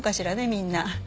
みんな。